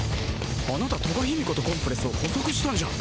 あなたトガヒミコとコンプレスを捕捉したんじゃ。